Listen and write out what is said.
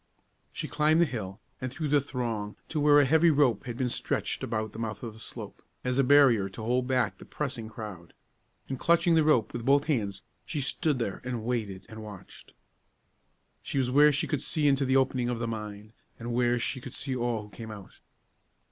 She climbed the hill, and through the throng, to where a heavy rope had been stretched about the mouth of the slope, as a barrier to hold back the pressing crowd; and clutching the rope with both hands, she stood there and waited and watched. She was where she could see into the opening of the mine, and where she could see all who came out.